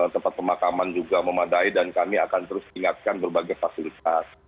tempat pemakaman juga memadai dan kami akan terus ingatkan berbagai fasilitas